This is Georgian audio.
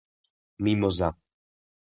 მიმოზა